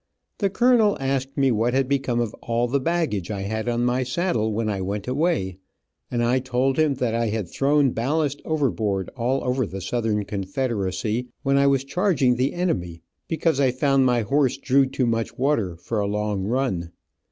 The colonel asked me what had become of all the baggage I had on my saddle when I went away, and I told him that I had thrown ballast over board all over the Southern Confederacy, when I was charging the enemy, because I found my horse drew too much water for a long run.